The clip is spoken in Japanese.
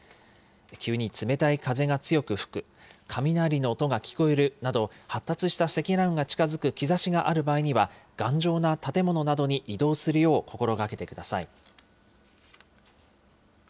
急に冷たい風が強く吹く、雷の音が聞こえるなど、発達した積乱雲が近づく兆しがある場合には、頑丈な建物などに移動するよう心がけてください。